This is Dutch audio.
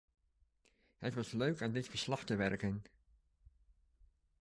Het was leuk aan dit verslag te werken.